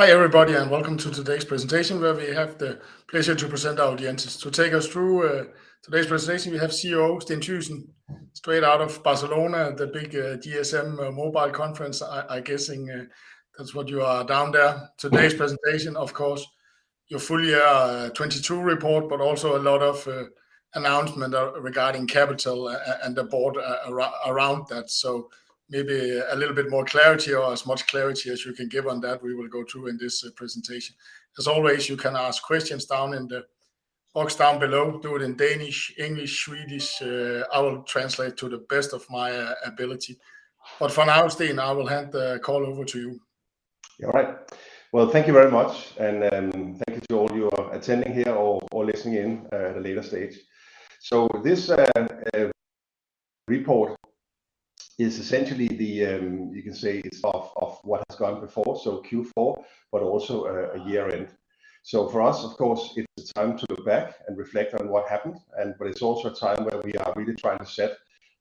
Hi, everybody, welcome to today's presentation where we have the pleasure to present our Audientes. To take us through today's presentation we have CEO Steen Thygesen straight out of Barcelona at the big GSMA mobile conference. I guessing that's what you are down there. Today's presentation of course, your full year 2022 report but also a lot of announcement regarding capital and the board around that. Maybe a little bit more clarity or as much clarity as you can give on that, we will go through in this presentation. As always, you can ask questions down in the box down below. Do it in Danish, English, Swedish, I will translate to the best of my ability. For now, Steen, I will hand the call over to you. All right. Well, thank you very much and thank you to all you attending here or listening in at a later stage. This report is essentially the, you can say it's of what has gone before, Q4, but also a year end. For us, of course, it's a time to look back and reflect on what happened and, but it's also a time where we are really trying to set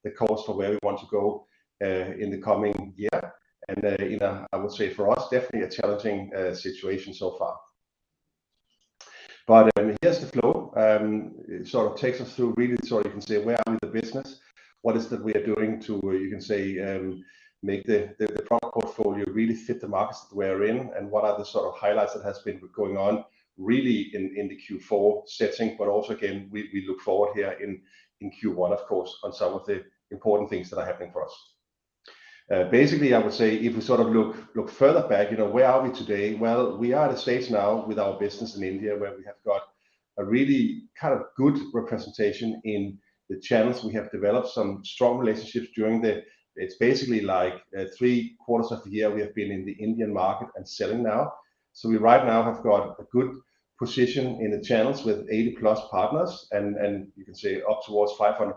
the course for where we want to go in the coming year. You know, I would say for us, definitely a challenging situation so far. Here's the flow. It sort of takes us through really the story. You can see where are we in the business, what is it we are doing to, you can say, make the product portfolio really fit the markets that we're in, what are the sort of highlights that has been going on really in the Q4 setting, also again, we look forward here in Q1 of course on some of the important things that are happening for us. Basically, I would say if we sort of look further back, you know, where are we today? We are at a stage now with our business in India where we have got a really kind of good representation in the channels. We have developed some strong relationships. It's basically like three quarters of the year we have been in the Indian market and selling now. We right now have got a good position in the channels with 80+ partners and you can say up towards 500+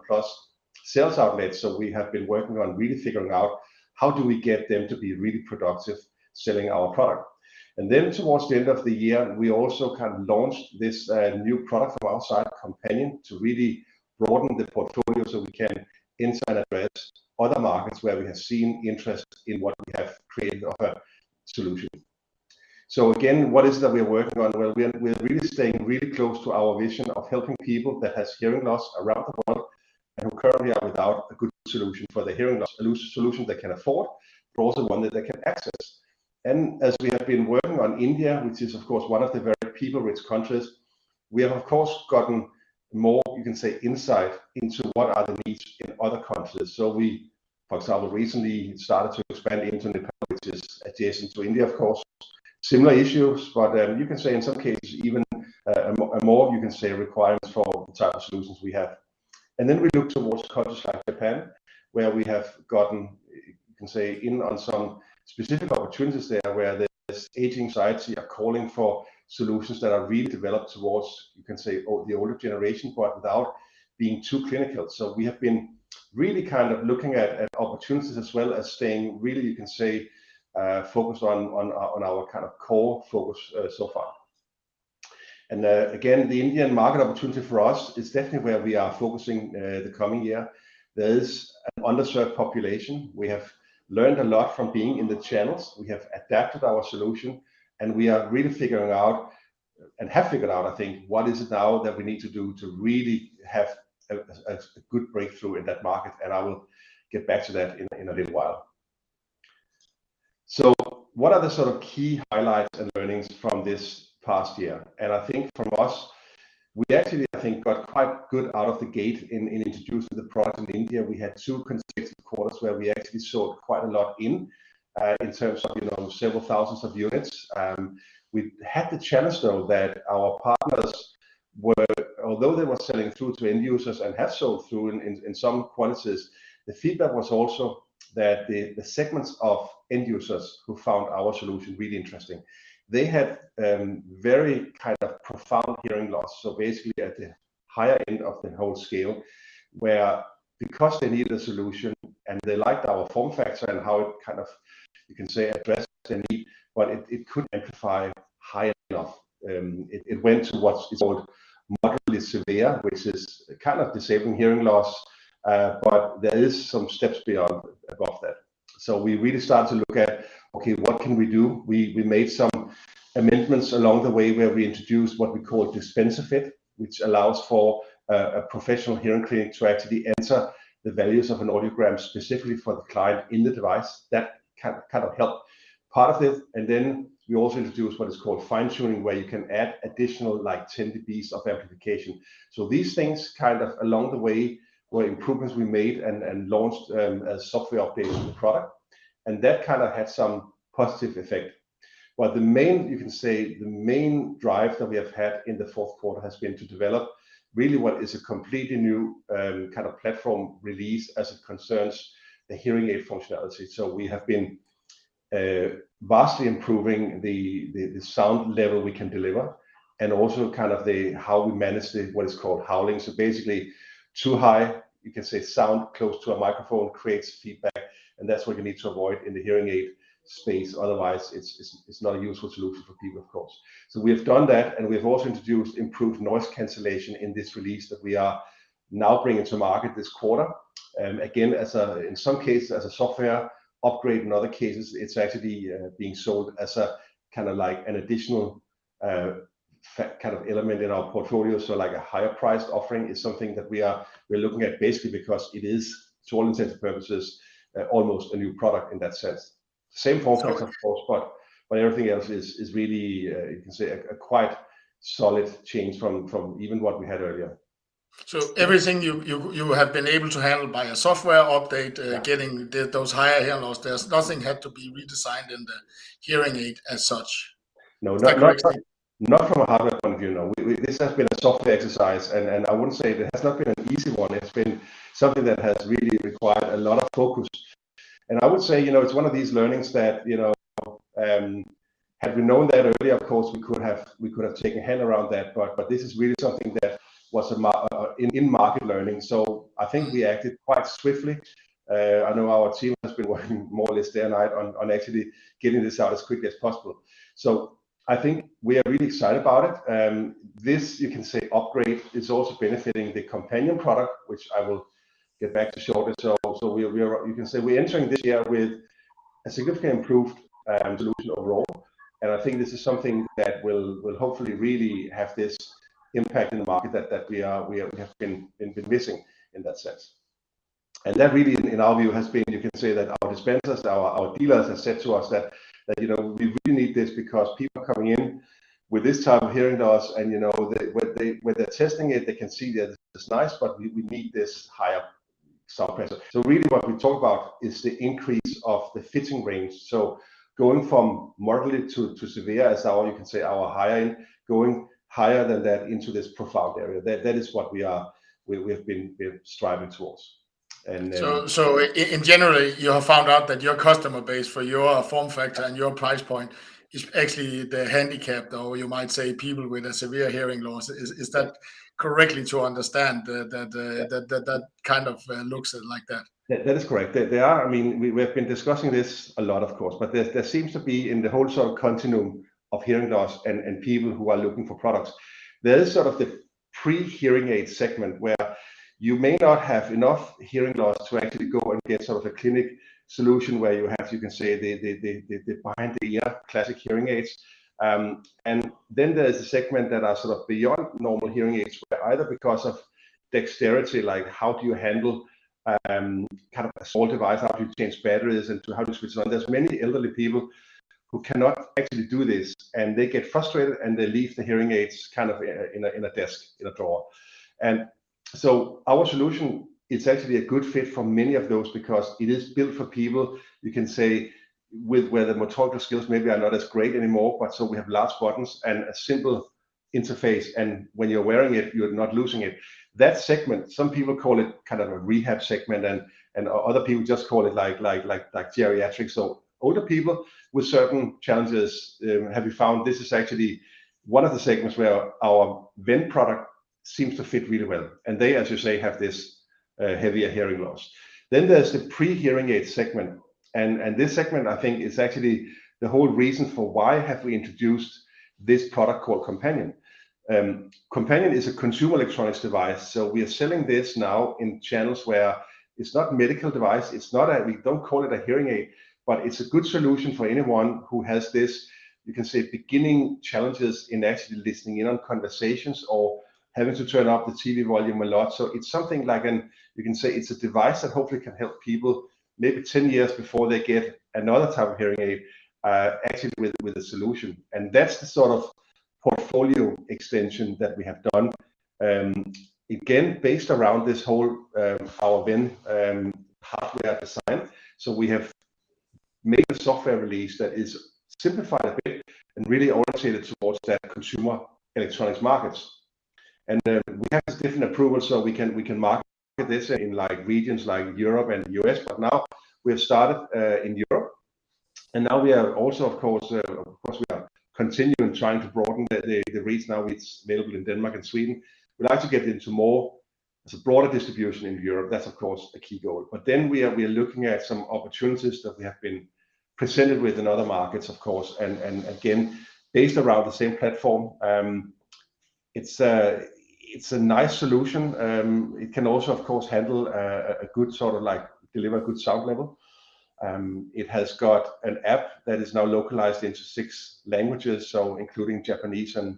sales outlets. We have been working on really figuring out how do we get them to be really productive selling our product. Towards the end of the year we also kind of launched this new product from our side, Companion, to really broaden the portfolio so we can in some address other markets where we have seen interest in what we have created or a solution. Again, what is it that we are working on? Well, we are really staying really close to our vision of helping people that has hearing loss around the world and who currently are without a good solution for their hearing loss. A solution they can afford, but also one that they can access. As we have been working on India, which is of course one of the very people-rich countries, we have of course gotten more, you can say, insight into what are the needs in other countries. So we, for example, recently started to expand into Nepal which is adjacent to India, of course. Similar issues, but you can say in some cases even a more you can say requirements for the type of solutions we have. Then we look towards countries like Japan where we have gotten, you can say in on some specific opportunities there where the aging societies are calling for solutions that are really developed towards, you can say, the older generation, but without being too clinical. We have been really kind of looking at opportunities as well as staying really, you can say, focused on our, on our kind of core focus, so far. Again, the Indian market opportunity for us is definitely where we are focusing, the coming year. There is an underserved population. We have learned a lot from being in the channels. We have adapted our solution, and we are really figuring out, and have figured out I think, what is it now that we need to do to really have a, a good breakthrough in that market, and I will get back to that in a, in a little while. What are the sort of key highlights and learnings from this past year? I think from us, we actually I think got quite good out of the gate in introducing the product in India. We had two consecutive quarters where we actually sold quite a lot in terms of, you know, several thousands of units. We had the challenge though that our partners were, although they were selling through to end users and have sold through in some quantities, the feedback was also that the segments of end users who found our solution really interesting, they had very kind of profound hearing loss, so basically at the higher end of the whole scale, where because they need a solution and they liked our form factor and how it kind of, you can say, addressed their need, but it couldn't amplify high enough. It went to what's called moderately severe, which is kind of disabling hearing loss, but there is some steps beyond, above that. We really started to look at, okay, what can we do? We made some amendments along the way where we introduced what we call Dispenser Fit, which allows for a professional hearing clinic to actually enter the values of an audiogram specifically for the client in the device. That kind of helped part of it. We also introduced what is called fine-tuning where you can add additional like 10 dBs of amplification. These things kind of along the way were improvements we made and launched as software updates to the product, and that kind of had some positive effect. The main, you can say, the main drive that we have had in the fourth quarter has been to develop really what is a completely new, kind of platform release as it concerns the hearing aid functionality. We have been, vastly improving the, the sound level we can deliver and also kind of the how we manage the what is called howling. Basically too high, you can say, sound close to a microphone creates feedback, and that's what you need to avoid in the hearing aid space. Otherwise it's, it's not a useful solution for people, of course. We have done that, and we have also introduced improved noise cancellation in this release that we are now bringing to market this quarter. Again, as a, in some cases as a software upgrade, in other cases it's actually being sold as a kind of like an additional kind of element in our portfolio. Like a higher priced offering is something that we are, we're looking at basically because it is, to all intents and purposes, almost a new product in that sense. Same form factor- Okay... of course, but everything else is really, you can say a quite solid change from even what we had earlier. Everything you have been able to handle by a software update. Yeah getting the, those higher hearing loss, there's nothing had to be redesigned in the hearing aid as such. No, not. Is that correct?... not from a hardware point of view. No. This has been a software exercise. It has not been an easy one. It's been something that has really required a lot of focus. I would say, you know, it's one of these learnings that, you know, had we known that earlier, of course, we could have taken a hand around that. This is really something that was a market learning. I think we acted quite swiftly. I know our team has been working more or less day and night on actually getting this out as quickly as possible. I think we are really excited about it. This, you can say, upgrade is also benefiting the Companion product, which I will get back to shortly. You can say we're entering this year with a significantly improved solution overall, and I think this is something that will hopefully really have this impact in the market that we are, we have been missing in that sense. That really in our view has been, you can say that our dispensers, our dealers have said to us that, you know, we really need this because people are coming in with this type of hearing loss and, you know, they, when they're testing it, they can see that it's nice, but we need this higher sound pressure. Really what we talk about is the increase of the fitting range. Going from moderate to severe is our, you can say our higher end. Going higher than that into this profound area, that is what we are, we're striving towards. In general, you have found out that your customer base for your form factor and your price point is actually the handicapped, or you might say people with a severe hearing loss. Is that correctly to understand that kind of looks like that? That is correct. I mean, we have been discussing this a lot of course, but there seems to be in the whole sort of continuum of hearing loss and people who are looking for products, there is sort of the pre-hearing aid segment where you may not have enough hearing loss to actually go and get sort of a clinic solution where you have, you can say the behind-the-ear classic hearing aids. Then there's a segment that are sort of beyond normal hearing aids where either because of dexterity, like how do you handle kind of a small device? How do you change batteries, how do you switch it on? There's many elderly people who cannot actually do this, and they get frustrated and they leave the hearing aids kind of in a desk, in a drawer. Our solution is actually a good fit for many of those because it is built for people, you can say, with where the motor skills maybe are not as great anymore. We have large buttons and a simple interface, and when you're wearing it, you're not losing it. That segment, some people call it kind of a rehab segment and other people just call it like geriatrics. Older people with certain challenges, have we found this is actually one of the segments where our Ven product seems to fit really well, and they, as you say, have this heavier hearing loss. There's the pre-hearing aid segment and this segment, I think is actually the whole reason for why have we introduced this product called Companion. Companion is a consumer electronics device, so we are selling this now in channels where it's not medical device. We don't call it a hearing aid, but it's a good solution for anyone who has this, you can say beginning challenges in actually listening in on conversations or having to turn up the TV volume a lot. You can say it's a device that hopefully can help people maybe 10 years before they get another type of hearing aid, actually with a solution. That's the sort of portfolio extension that we have done, again, based around this whole, our Ven pathway design. We have made a software release that is simplified a bit and really orientated towards that consumer electronics markets. We have different approvals so we can market this in like regions like Europe and U.S. Now we have started in Europe, and now we are also, of course, of course, we are continuing trying to broaden the reach. Now it's available in Denmark and Sweden. We'd like to get into more, so broader distribution in Europe. That's of course a key goal. Then we are looking at some opportunities that we have been presented with in other markets, of course, and again, based around the same platform. It's a nice solution. It can also, of course, handle a good sort of like deliver good sound level. It has got an app that is now localized into six languages, including Japanese and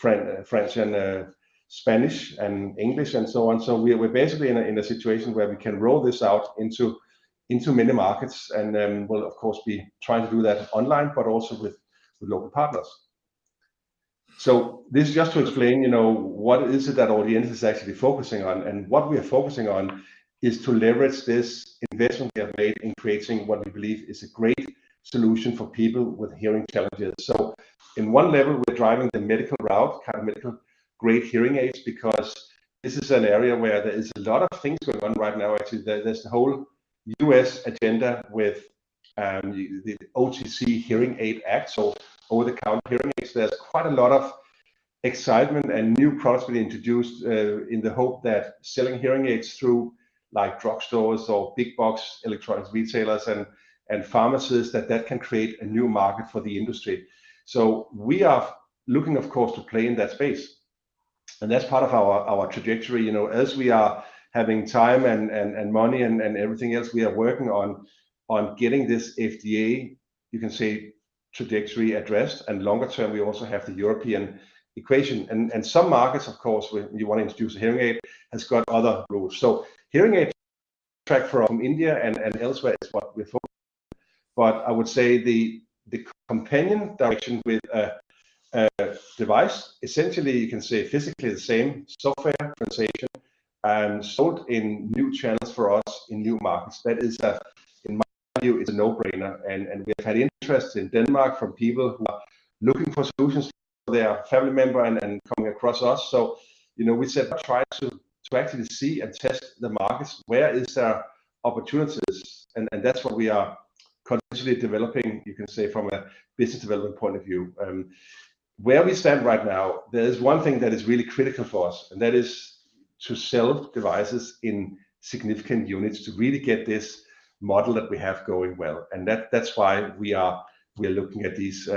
French and Spanish and English and so on. We're basically in a situation where we can roll this out into many markets and then we'll of course be trying to do that online, but also with local partners. This is just to explain, you know, what is it that Audientes is actually focusing on? What we are focusing on is to leverage this investment we have made in creating what we believe is a great solution for people with hearing challenges. In one level, we're driving the medical route, kind of medical-grade hearing aids, because this is an area where there is a lot of things going on right now, actually. There's the whole U.S agenda with the OTC Hearing Aid Act, so over-the-counter hearing aids. There's quite a lot of excitement, and new products being introduced in the hope that selling hearing aids through like drugstores or big box electronics retailers and pharmacists, that can create a new market for the industry. We are looking of course to play in that space. That's part of our trajectory. You know, as we are having time and money and everything else, we are working on getting this FDA, you can say, trajectory addressed. Longer term, we also have the European equation. Some markets, of course, when you want to introduce a hearing aid has got other rules. Hearing aid track from India and elsewhere is what we thought. I would say the Companion direction with a device, essentially you can say physically the same software translation, sold in new channels for us in new markets. That is a, in my view, is a no-brainer. We have had interest in Denmark from people who are looking for solutions for their family member and coming across us. You know, we said try to actually see and test the markets, where is our opportunities? That's what we are continuously developing, you can say, from a business development point of view. Where we stand right now, there is one thing that is really critical for us, and that is to sell devices in significant units to really get this model that we have going well. That's why we are looking at these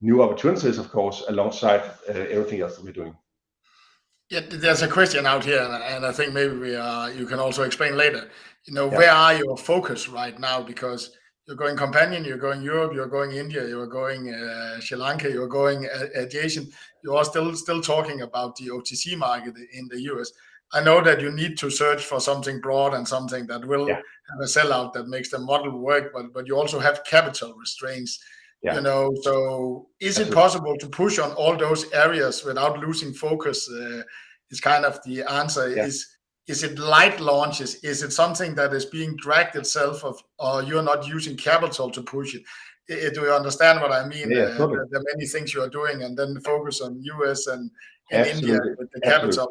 new opportunities of course, alongside everything else that we're doing. Yeah. There's a question out here, and I think maybe we, you can also explain later. Yeah. You know, where are your focus right now? You're going Companion, you're going Europe, you're going India, you're going Sri Lanka, you're going Asia. You are still talking about the OTC market in the U.S. I know that you need to search for something broad and something that will- Yeah... have a sell out that makes the model work, but you also have capital restraints. Yeah. You know, is it possible to push on all those areas without losing focus? Is kind of the answer. Yes. Is it light launches? Is it something that is being dragged itself of, or you're not using capital to push it? Do you understand what I mean? Yeah. Totally. The many things you are doing, and then focus on U.S. and India. Absolutely. Absolutely.... with the capital.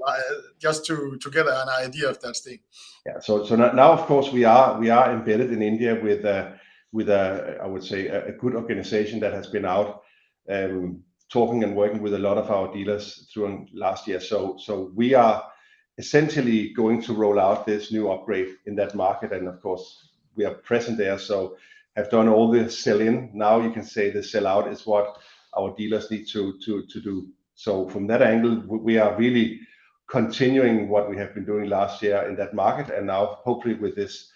Just to get an idea of that, Steen. Yeah. now of course, we are embedded in India with a good organization that has been out talking and working with a lot of our dealers last year. we are essentially going to roll out this new upgrade in that market. Of course we are present there, so have done all the sell in. Now you can say the sell out is what our dealers need to do. From that angle, we are really continuing what we have been doing last year in that market. Now hopefully with this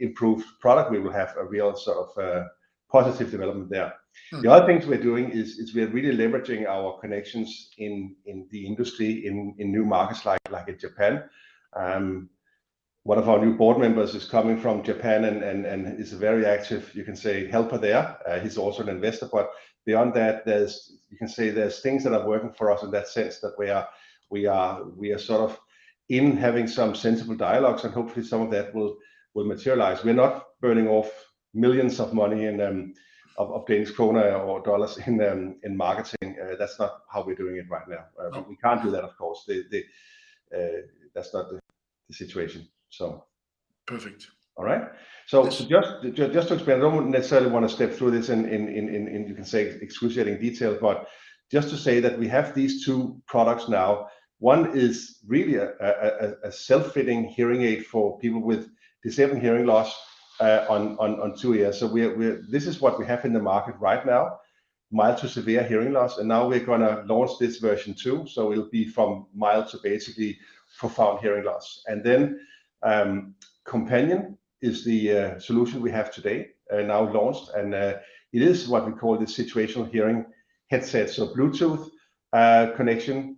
improved product, we will have a real sort of positive development there. The other things we are doing is we are really leveraging our connections in the industry, in new markets like in Japan. One of our new board members is coming from Japan and is a very active, you can say, helper there. He's also an investor. Beyond that, you can say there's things that are working for us in that sense that we are sort of even having some sensible dialogues and hopefully some of that will materialize. We are not burning off millions of DKK or dollar in marketing. That's not how we're doing it right now. Okay we can't do that of course. The, that's not the situation, so. Perfect. All right? Yes. Just to explain, I don't necessarily want to step through this in excruciating detail, but just to say that we have these two products now. One is really a self-fitting hearing aid for people with disabling hearing loss on two ears. This is what we have in the market right now, mild to severe hearing loss. Now we are gonna launch this version 2.0, so it'll be from mild to basically profound hearing loss. Then, Companion is the solution we have today, now launched. It is what we call the situational hearing headset. Bluetooth connection.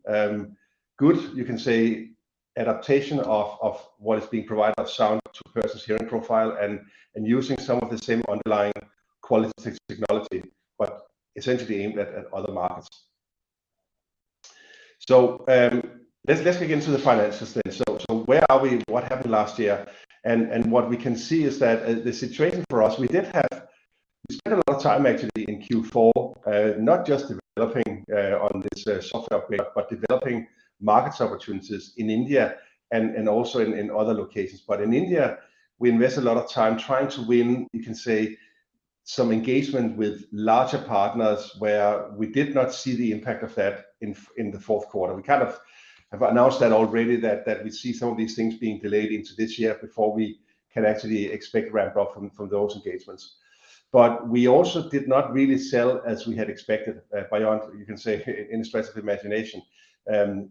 Good, you can say adaptation of what is being provided of sound to a person's hearing profile and using some of the same underlying quality technology, but essentially aimed at other markets. Let's get into the finances then. Where are we? What happened last year? What we can see is that the situation for us, we did have... We spent a lot of time actually in Q4, not just developing on this software upgrade, but developing markets opportunities in India and also in other locations. In India, we invest a lot of time trying to win, you can say, some engagement with larger partners where we did not see the impact of that in the fourth quarter. We kind of have announced that already that we see some of these things being delayed into this year before we can actually expect ramp up from those engagements. We also did not really sell as we had expected, beyond, you can say, in, especially the imagination.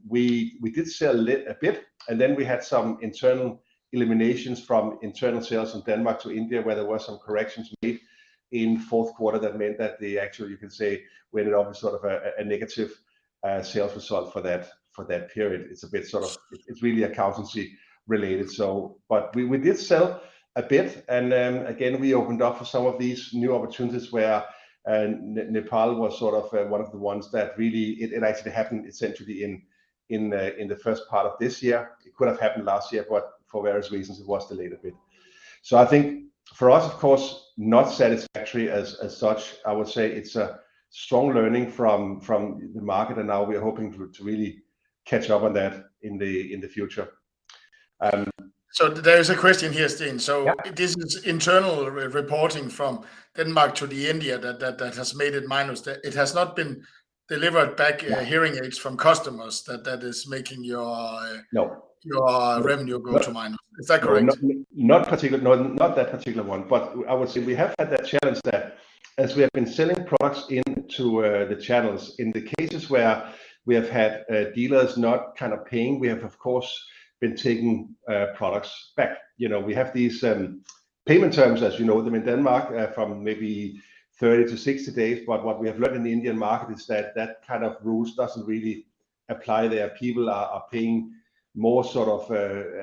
We did sell a bit, and then we had some internal eliminations from internal sales from Denmark to India, where there were some corrections made in fourth quarter that meant that the actual, you can say we ended up with sort of a negative sales result for that, for that period. It's a bit sort of, it's really accountancy related. We, we did sell a bit and then again, we opened up for some of these new opportunities where Nepal was sort of one of the ones that really, it actually happened essentially in the first part of this year. It could have happened last year, but for various reasons it was delayed a bit. I think for us, of course, not satisfactory as such. I would say it's a strong learning from the market, and now we are hoping to really catch up on that in the, in the future. there is a question here, Steen. Yeah. This internal reporting from Denmark to the India that has made it minus, that it has not been delivered back. Yeah hearing aids from customers that is making. No your revenue go to minus. Is that correct? Not, not particular, no, not that particular one. I would say we have had that challenge that as we have been selling products into the channels, in the cases where we have had dealers not kind of paying, we have of course been taking products back. You know, we have these payment terms as you know them in Denmark, from maybe 30-60 days. What we have learned in the Indian market is that that kind of rules doesn't really apply there. People are paying more sort of,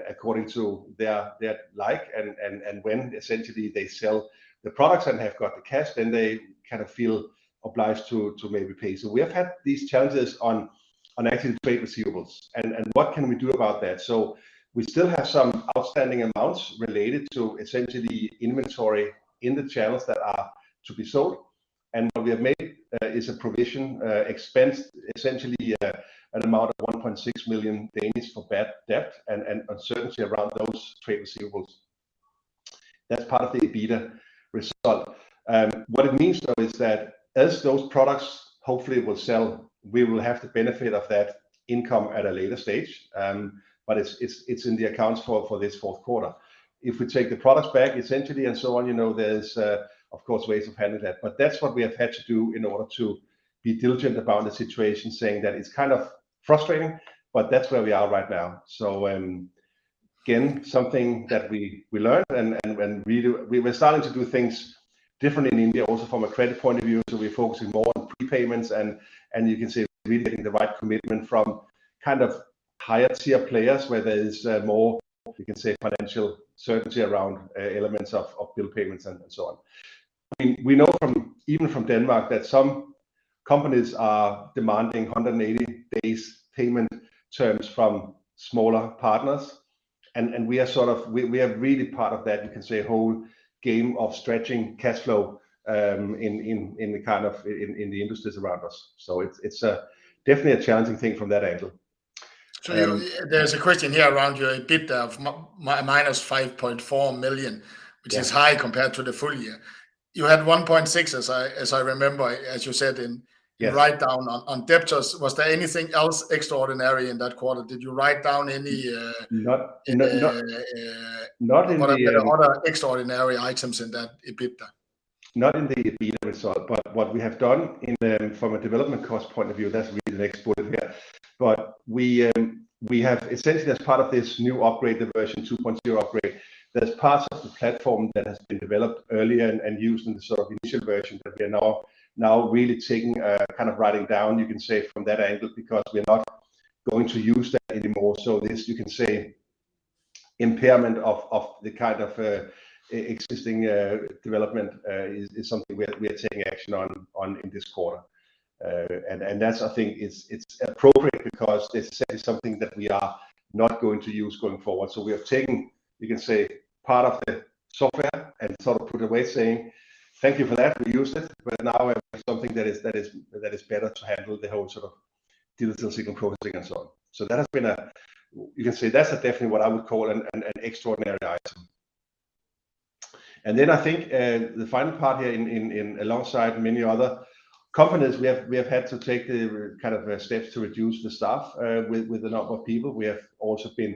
according to their like, and when essentially they sell the products and have got the cash, then they kind of feel obliged to maybe pay. We have had these challenges on active trade receivables and what can we do about that? We still have some outstanding amounts related to essentially inventory in the channels that are to be sold, and what we have made is a provision, expense essentially, an amount of 1.6 million for bad debt and uncertainty around those trade receivables. That's part of the EBITDA result. What it means though is that as those products hopefully will sell, we will have the benefit of that income at a later stage. But it's, it's in the accounts for this fourth quarter. If we take the products back essentially and so on, you know, there's, of course, ways of handling that. But that's what we have had to do in order to be diligent about the situation, saying that it's kind of frustrating, but that's where we are right now. Again, something that we learned. We were starting to do things differently in India also from a credit point of view. We are focusing more on prepayments and you can see we getting the right commitment from kind of higher tier players where there is more, you can say, financial certainty around elements of bill payments and so on. I mean, we know from, even from Denmark that some companies are demanding 180 days payment terms from smaller partners. We are really part of that, you can say, whole game of stretching cash flow in the industries around us. It's a definitely a challenging thing from that angle. There's a question here around your EBITDA of -5.4 million. Yeah... which is high compared to the full year. You had 1.6 as I remember, as you said. Yes... write down on debtors. Was there anything else extraordinary in that quarter? Did you write down any? Not. Any other extraordinary items in that EBITDA? Not in the EBITDA result, but what we have done in the, from a development cost point of view, that's really an export here, but we have essentially as part of this new upgrade, the version 2.0 upgrade, there's parts of the platform that has been developed earlier and used in the sort of initial version, but they're now really taking kind of writing down, you can say from that angle, because we are not going to use that anymore. This, you can say impairment of the kind of existing development is something we are taking action on in this quarter. That's, I think it's appropriate because this is something that we are not going to use going forward. We are taking, you can say, part of the software and sort of put away saying, "Thank you for that. We used it, but now we have something that is better to handle the whole sort of due diligence and processing and so on." That has been a. You can say that's definitely what I would call an extraordinary item. Then I think the final part here in alongside many other companies we have had to take the kind of steps to reduce the staff with the number of people. We have also been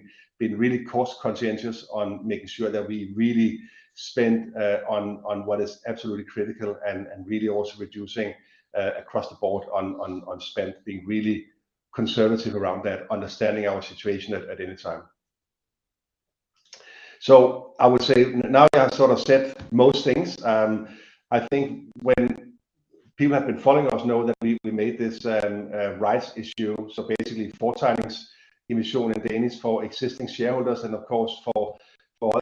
really cost-conscientious on making sure that we really spend on what is absolutely critical and really also reducing across the board on spend, being really conservative around that, understanding our situation at any time. I would say now that I've sort of said most things, I think when people have been following us know that we made this rights issue, so basically four times emission in Danish for existing shareholders and of course for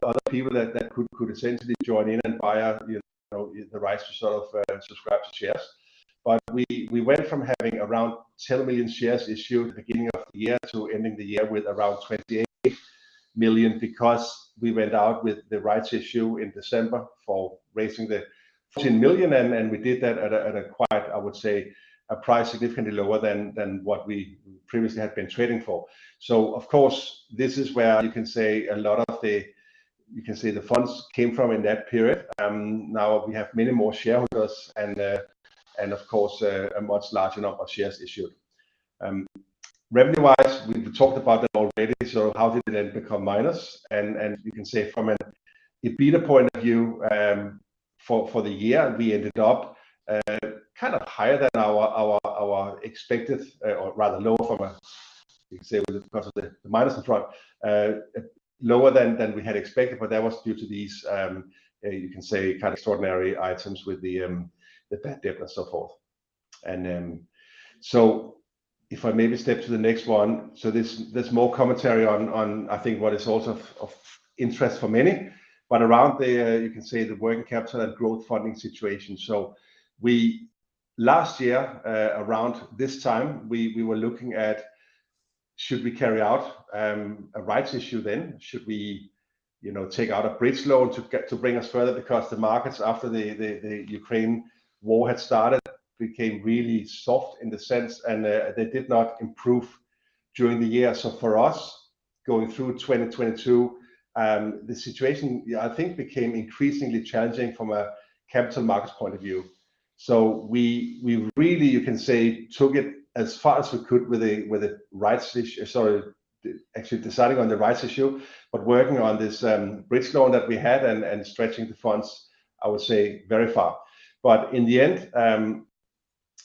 other people that could essentially join in and buy, you know, the rights to sort of subscribe to shares. We went from having around 10 million shares issued at the beginning of the year to ending the year with around 28 million because we went out with the rights issue in December for raising the 14 million, and we did that at a quite, I would say, a price significantly lower than what we previously had been trading for. Of course, this is where you can say a lot of the, you can say the funds came from in that period. Now we have many more shareholders and of course, a much larger number of shares issued. Revenue-wise, we talked about that already, how did it then become minus? You can say from an EBITDA point of view, for the year, we ended up kind of higher than our, our expected, or rather lower because of the minus and whatnot, lower than we had expected, but that was due to these, you can say kind of extraordinary items with the bad debt and so forth. If I maybe step to the next one, there's more commentary on I think what is also of interest for many, but around the, you can say the working capital and growth funding situation. Last year, around this time, we were looking at should we carry out a rights issue then? Should we, you know, take out a bridge loan to bring us further? The markets after the Ukraine war had started became really soft in the sense, and they did not improve during the year. For us, going through 2022, the situation, I think became increasingly challenging from a capital markets point of view. We, we really, you can say, took it as far as we could with a, with a rights issue... Sorry, actually deciding on the rights issue, but working on this bridge loan that we had and stretching the funds, I would say very far. In the end,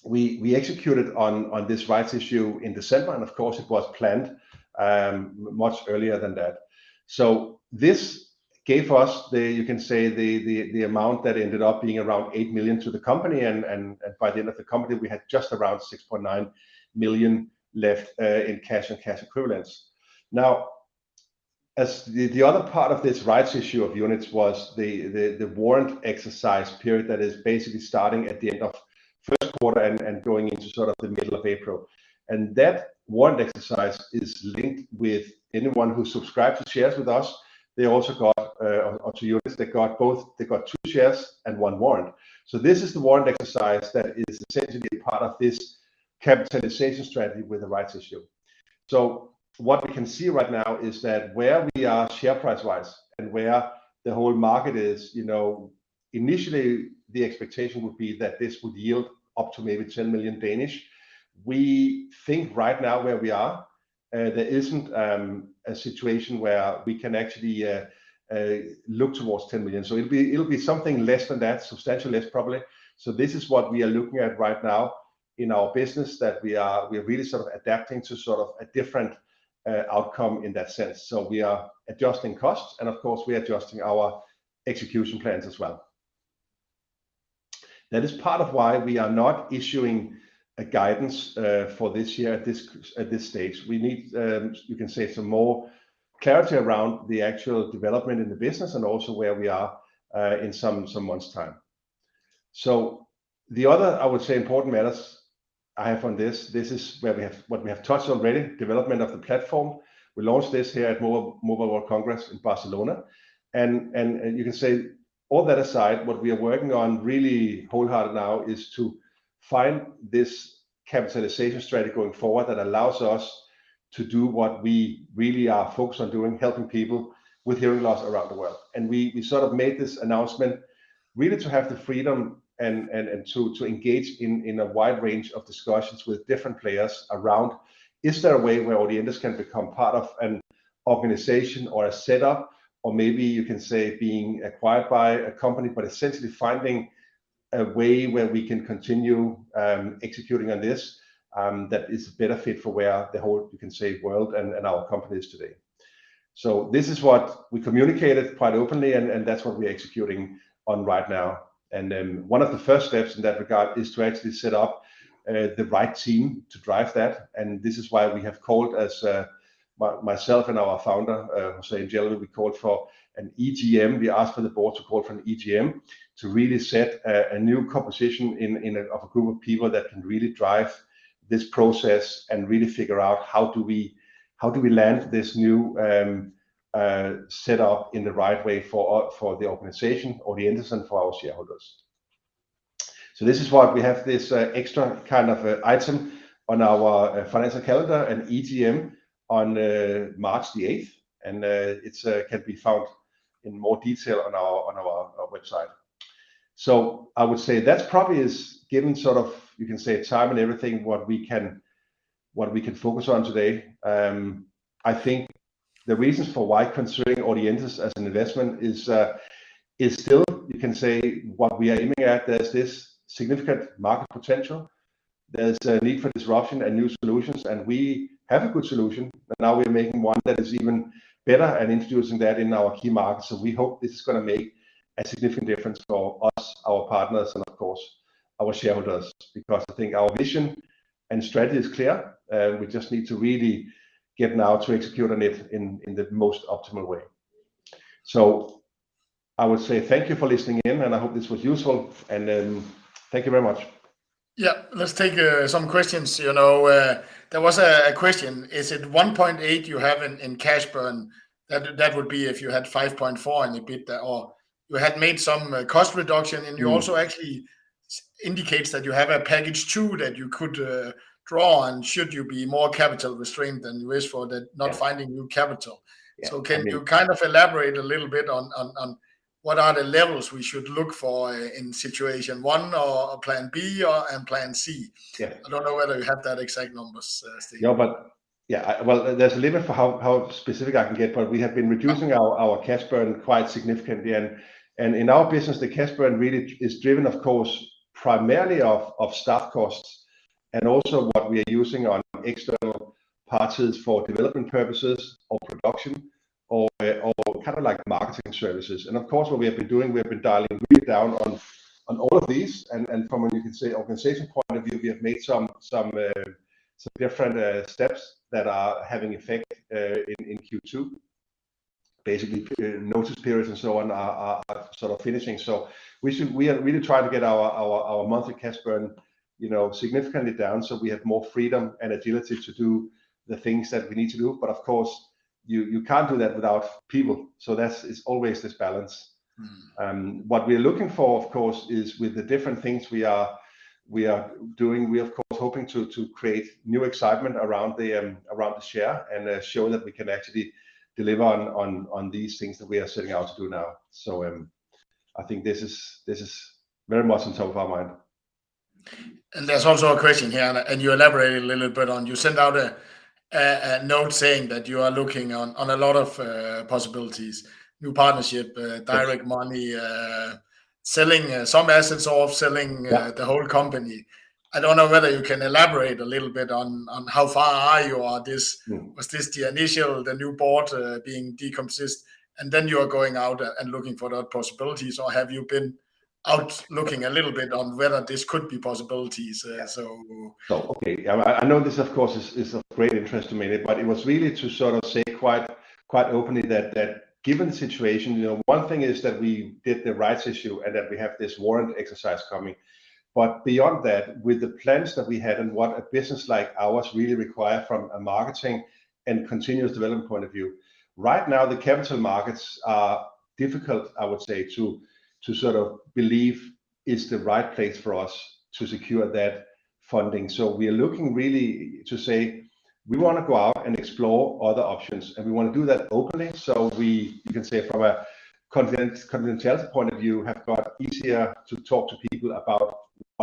we executed on this rights issue in December. Of course it was planned much earlier than that. Gave us the, you can say the amount that ended up being 8 million to the company and by the end of the company we had just 6.9 million left in cash and cash equivalents. As the other part of this rights issue of units was the warrant exercise period that is basically starting at the end of first quarter and going into sort of the middle of April. That warrant exercise is linked with anyone who subscribed to shares with us, they also got or to units, they got both, they got two shares and one warrant. This is the warrant exercise that is essentially part of this capitalization strategy with the rights issue. What we can see right now is that where we are share price-wise and where the whole market is, you know, initially the expectation would be that this would yield up to maybe 10 million. We think right now where we are, there isn't a situation where we can actually look towards 10 million. It'll be something less than that, substantially less probably. This is what we are looking at right now in our business that we are really sort of adapting to sort of a different outcome in that sense. We are adjusting costs and of course we are adjusting our execution plans as well. That is part of why we are not issuing a guidance for this year at this stage. We need, you can say some more clarity around the actual development in the business and also where we are in some months time. The other, I would say important matters I have on this is where we have, what we have touched already, development of the platform. We launched this here at Mobile World Congress in Barcelona and you can say all that aside, what we are working on really wholehearted now is to find this capitalization strategy going forward that allows us to do what we really are focused on doing, helping people with hearing loss around the world. We sort of made this announcement really to have the freedom and to engage in a wide range of discussions with different players around is there a way where Audientes can become part of an organization or a setup or maybe you can say being acquired by a company, but essentially finding a way where we can continue executing on this that is a better fit for where the whole, you can say world and our company is today. This is what we communicated quite openly and that's what we are executing on right now. One of the first steps in that regard is to actually set up the right team to drive that. This is why we have called as myself and our founder, Hossein Jelveh, we called for an EGM. We asked for the board to call for an EGM to really set a new composition of a group of people that can really drive this process and really figure out how do we land this new setup in the right way for the organization Audientes and for our shareholders. This is why we have this extra kind of item on our financial calendar, an EGM on March the 8th. It can be found in more detail on our website. I would say that's probably is giving sort of, you can say time and everything, what we can focus on today. I think the reasons for why considering Audientes as an investment is still, you can say what we are aiming at, there's this significant market potential. There's a need for disruption and new solutions, and we have a good solution, but now we are making one that is even better and introducing that in our key markets. We hope this is gonna make a significant difference for us, our partners, and of course our shareholders, because I think our vision and strategy is clear. We just need to really get now to execute on it in the most optimal way. I would say thank you for listening in, and I hope this was useful, and thank you very much. Yeah. Let's take some questions. You know, there was a question. Is it 1.8 you have in cash burn? That would be if you had 5.4 and you did that or you had made some cost reduction. You also actually indicates that you have a package two that you could draw on should you be more capital restrained than you wish for that. Yeah not finding new capital. Yeah. Can you kind of elaborate a little bit on what are the levels we should look for in situation one or a plan B or, and plan C? Yeah. I don't know whether you have that exact numbers, Steen. No, but yeah. Well, there's a limit for how specific I can get, but we have been reducing. Okay our cash burn quite significantly. In our business, the cash burn really is driven, of course, primarily off of staff costs and also what we are using on external parties for development purposes or production or kind of like marketing services. Of course, what we have been doing, we have been dialing really down on all of these from an, you can say, organization point of view, we have made some different steps that are having effect in Q2. Basically notice periods and so on are sort of finishing. We are really trying to get our monthly cash burn, you know, significantly down so we have more freedom and agility to do the things that we need to do. Of course, you can't do that without people. That's, it's always this balance. What we are looking for, of course, is with the different things we are doing, we are of course hoping to create new excitement around the, around the share and show that we can actually deliver on these things that we are setting out to do now. I think this is very much on top of our mind. There's also a question here, and you elaborated a little bit on, you sent out a note saying that you are looking on a lot of possibilities, new partnership. Yeah... direct money, Selling some assets or. Yeah... the whole company. I don't know whether you can elaborate a little bit on how far are you on this? Was this the initial, the new board, being decomsist, and then you are going out and looking for the possibilities, or have you been out looking a little bit on whether this could be possibilities, so? Okay. I know this, of course, is of great interest to me, but it was really to sort of say quite openly that given the situation, you know, one thing is that we did the rights issue, and that we have this warrant exercise coming. Beyond that, with the plans that we had and what a business like ours really require from a marketing and continuous development point of view, right now the capital markets are difficult, I would say, to sort of believe is the right place for us to secure that funding. We are looking really to say, we wanna go out and explore other options, and we wanna do that openly. We, you can say from a confidential point of view,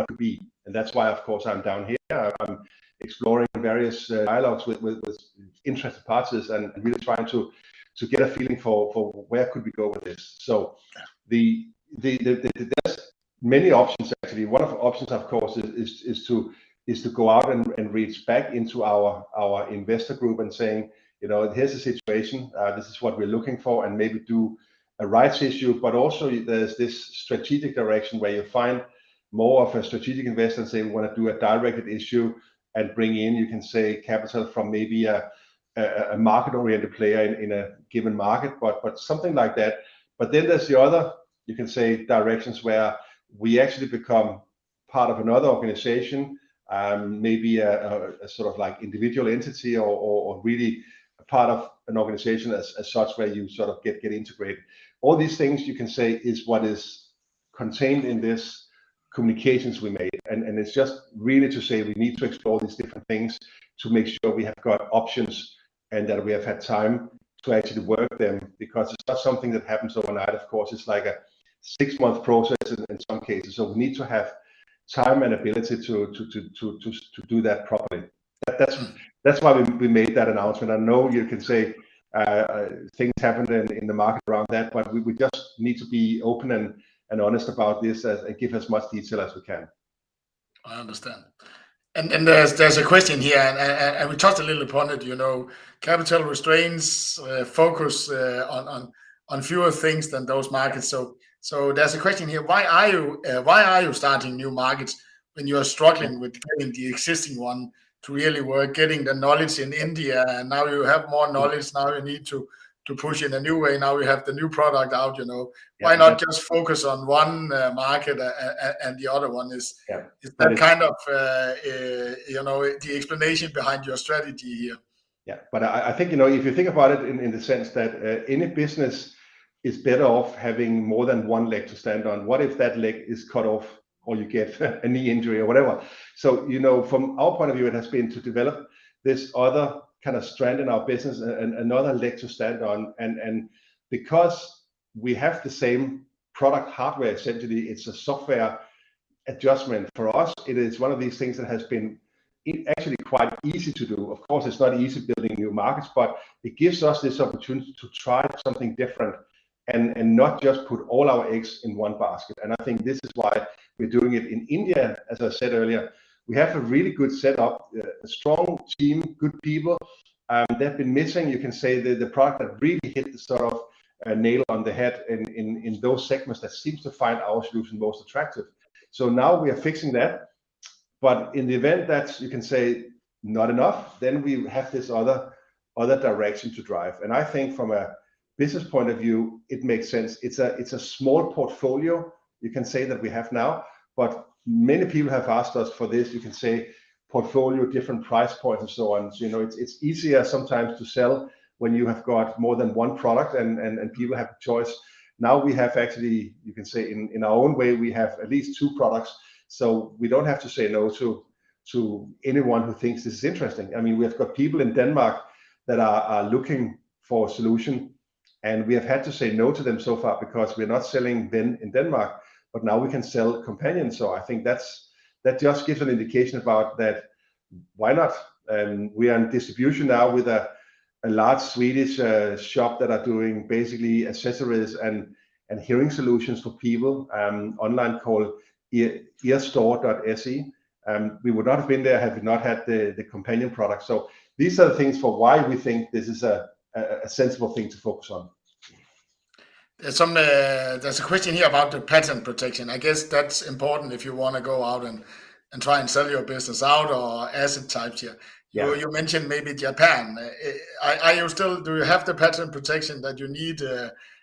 have got easier to talk to people about what could be. That's why, of course, I'm down here. I'm exploring various dialogues with interested parties and really trying to get a feeling for where could we go with this. The there's many options actually. One of the options, of course, is to go out and reach back into our investor group and saying, you know, "Here's the situation. This is what we're looking for," and maybe do a rights issue. Also there's this strategic direction where you find more of a strategic investor and say, we wanna do a directed issue and bring in, you can say, capital from maybe a market-oriented player in a given market, but something like that. There's the other, you can say, directions where we actually become part of another organization, maybe a sort of like individual entity or, or really a part of an organization as such where you sort of get integrated. All these things you can say is what is contained in this communications we made. It's just really to say we need to explore these different things to make sure we have got options, and that we have had time to actually work them, because it's not something that happens overnight, of course. It's like a six-month process in some cases. We need to have time and ability to do that properly. That's why we made that announcement. I know you can say, things happened in the market around that, but we just need to be open and honest about this as and give as much detail as we can. I understand. There's a question here, and we touched a little upon it, you know, capital restraints, focus, on fewer things than those markets. There's a question here, why are you, why are you starting new markets when you are struggling with getting the existing one to really work, getting the knowledge in India, and now you have more knowledge, now you need to push in a new way. Now you have the new product out, you know. Yeah. Why not just focus on one, market and the other one is-. Yeah... is that kind of, you know, the explanation behind your strategy here? Yeah. I think, you know, if you think about it in the sense that any business is better off having more than one leg to stand on. What if that leg is cut off or you get a knee injury or whatever? You know, from our point of view, it has been to develop this other kind of strand in our business and another leg to stand on. Because we have the same product hardware, essentially, it's a software adjustment. For us, it is one of these things that has been actually quite easy to do. Of course, it's not easy building new markets, but it gives us this opportunity to try something different and not just put all our eggs in one basket. I think this is why we're doing it in India. As I said earlier, we have a really good set up, a strong team, good people. They've been missing, you can say, the product that really hit the sort of, nail on the head in those segments that seems to find our solution most attractive. Now we are fixing that, but in the event that's, you can say, not enough, then we have this other direction to drive. I think from a business point of view, it makes sense. It's a, it's a small portfolio, you can say, that we have now, but many people have asked us for this. You can say, portfolio, different price points and so on. You know, it's easier sometimes to sell when you have got more than one product and people have a choice. Now we have actually, you can say, in our own way, we have at least two products, so we don't have to say no to anyone who thinks this is interesting. I mean, we have got people in Denmark that are looking for a solution, and we have had to say no to them so far because we are not selling then in Denmark, but now we can sell Companion. I think that's, that just gives an indication about that, why not? We are in distribution now with a large Swedish shop that are doing basically accessories and hearing solutions for people online called earstore.se. We would not have been there had we not had the Companion product. These are the things for why we think this is a sensible thing to focus on. There's a question here about the patent protection. I guess that's important if you want to go out and try and sell your business out or asset types, yeah. Yeah. You mentioned maybe Japan. Do you have the patent protection that you need?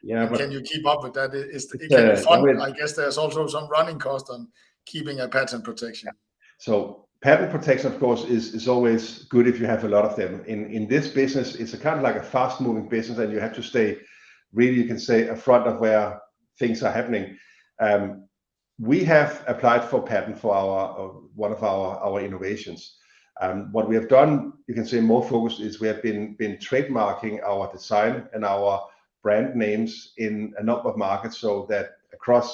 Yeah. Can you keep up with that? Is there any funding? Yeah. Well. I guess there's also some running cost on keeping a patent protection. Yeah. Patent protection, of course, is always good if you have a lot of them. In this business, it's a kind of like a fast-moving business, and you have to stay really, you can say, a front of where things are happening. We have applied for patent for our one of our innovations. What we have done, you can say more focused, is we have been trademarking our design and our brand names in a number of markets so that across,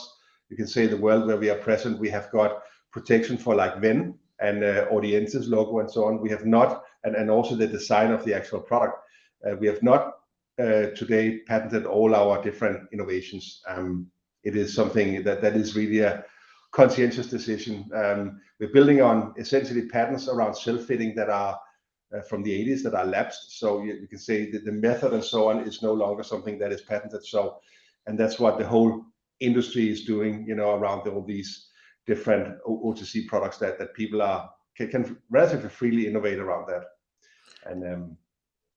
you can say the world where we are present, we have got protection for like Ven and Audientes' logo and so on. We have not. Also the design of the actual product. We have not today patented all our different innovations. It is something that is really a conscientious decision. We're building on essentially patents around self-fitting that are from the '80s that are lapsed. You can say that the method and so on is no longer something that is patented. That's what the whole industry is doing, you know, around all these different OTC products that people can relatively freely innovate around that.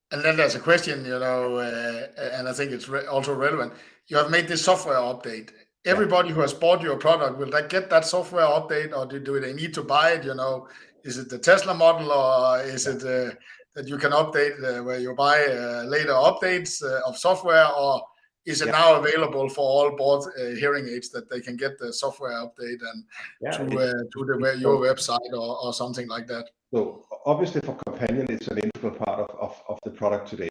There's a question, you know, and I think it's also relevant. You have made this software update. Yeah. Everybody who has bought your product, will they get that software update, or do they need to buy it, you know? Is it the Tesla model, or is it that you can update where you buy later updates of software? Yeah now available for all bought, hearing aids, that they can get the software update. Yeah to the your website or something like that? Well, obviously for Companion, it's an integral part of the product today.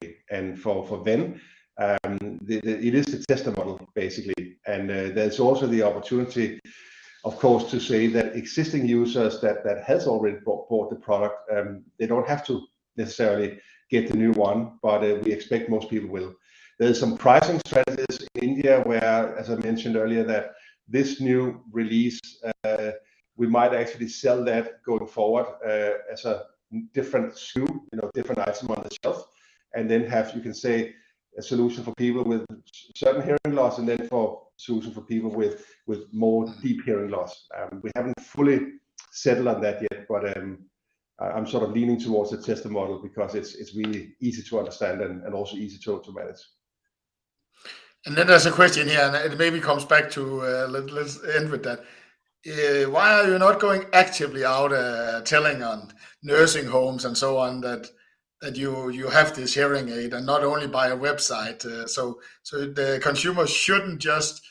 For Ven, it is the Tesla model, basically. There's also the opportunity, of course, to say that existing users that has already bought the product, they don't have to necessarily get the new one, but we expect most people will. There's some pricing strategies in India where, as I mentioned earlier, that this new release, we might actually sell that going forward as a different SKU, you know, different item on the shelf, and then have, you can say, a solution for people with certain hearing loss, and then for solution for people with more deep hearing loss. We haven't fully settled on that yet, but I'm sort of leaning towards the Tesla model because it's really easy to understand and also easy to manage. There's a question here, and it maybe comes back to, let's end with that. Why are you not going actively out, telling on nursing homes and so on that you have this hearing aid, and not only by a website? The consumer shouldn't just.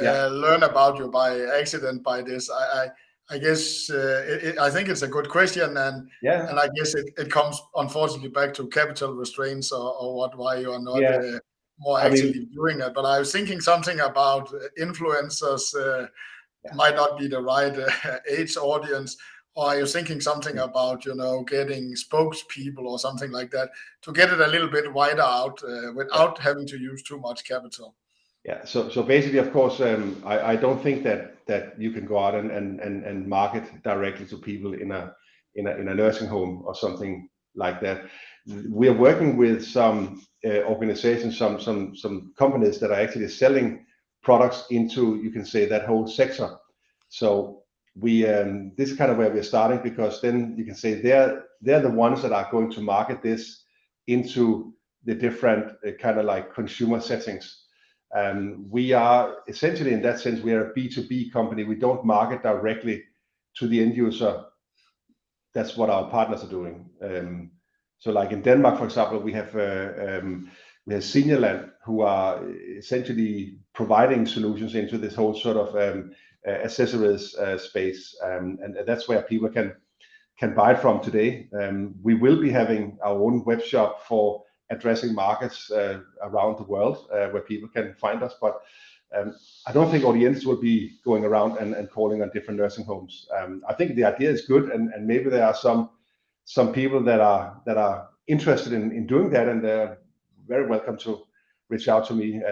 Yeah... learn about you by accident by this. I guess I think it's a good question. Yeah I guess it comes unfortunately back to capital restraints or what, why you are not. Yeah more actively doing it. I mean- I was thinking something about influencers. Yeah... might not be the right age audience. Are you thinking something about, you know, getting spokespeople or something like that to get it a little bit wide out, without having to use too much capital? Basically, of course, I don't think that you can go out and market directly to people in a nursing home or something like that. We're working with some organizations, some companies that are actually selling products into, you can say, that whole sector. We, this is kind of where we're starting because then you can say they're the ones that are going to market this into the different kind of like consumer settings. We are essentially, in that sense, we are a B2B company. We don't market directly to the end user. That's what our partners are doing. Like in Denmark, for example, we have Seniorland who are essentially providing solutions into this whole sort of accessories space. That's where people can buy from today. We will be having our own web shop for addressing markets around the world where people can find us, I don't think Audientes will be going around and calling on different nursing homes. I think the idea is good, and maybe there are some people that are interested in doing that, and they're very welcome to reach out to me.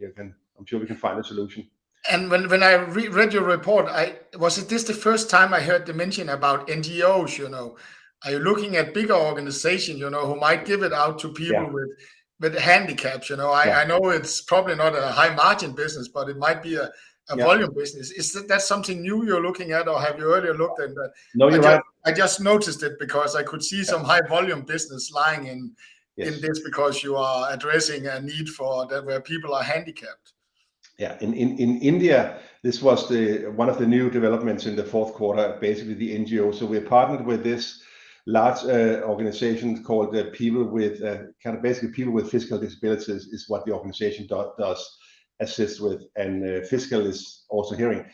We can... I'm sure we can find a solution. When I read your report, I... Was it this the first time I heard the mention about NGOs, you know? Are you looking at bigger organizations, you know, who might give it out to people... Yeah with handicaps, you know? Yeah. I know it's probably not a high margin business, but it might be a volume business. Yeah. Is that something new you're looking at, or have you earlier looked at that? No, you're right. I just noticed it because I could see some high volume business lying in. Yeah ...because you are addressing a need for the, where people are handicapped. Yeah. In India, this was the one of the new developments in the fourth quarter, basically the NGO. We partnered with this large organization called People With, kind of basically People with Physical Disabilities is what the organization does, assists with, and physical is also hearing.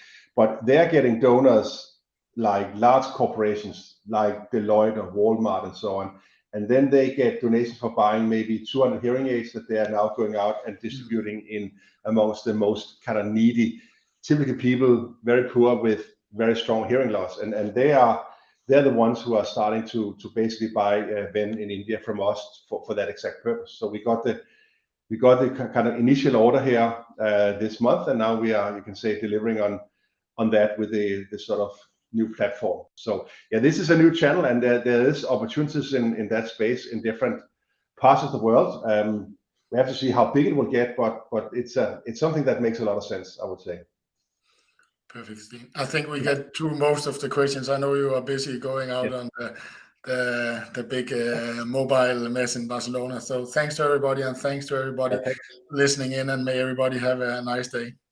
They're getting donors, like large corporations like Deloitte or Walmart and so on, they get donations for buying maybe 200 hearing aids that they are now going out and distributing in amongst the most kind of needy, typically people very poor with very strong hearing loss. They are the ones who are starting to basically buy Ven in India from us for that exact purpose. We got the kind of initial order here, this month, and now we are, you can say, delivering on that with the sort of new platform. Yeah, this is a new channel, and there is opportunities in that space in different parts of the world. We have to see how big it will get, but it's something that makes a lot of sense, I would say. Perfect, Steen. I think we got through most of the questions. I know you are busy going out on the. Yeah... the big mobile mess in Barcelona. Thanks to everybody. Yeah... listening in. May everybody have a nice day.